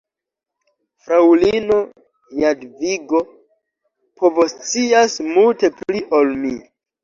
Fraŭlino Jadvigo povoscias multe pli ol mi.